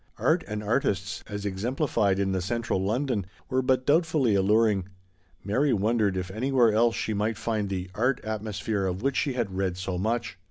Art and artists, as exemplified in the "Central London," were but doubtfully alluring; Mary won dered if anywhere else she might find the " art " atmosphere of which she had read so much.